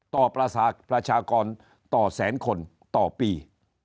ต่อประชากรต่อแสนคนต่อปี